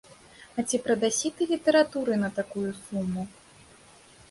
А ці прадасі ты літаратуры на такую суму?